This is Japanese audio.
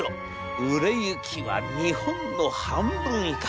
売れ行きは日本の半分以下。